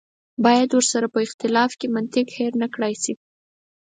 باید ورسره په اختلاف کې منطق هېر نه کړای شي.